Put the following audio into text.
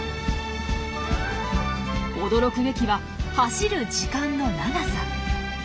驚くべきは走る時間の長さ。